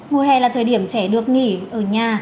mùa hè là thời điểm trẻ được nghỉ ở nhà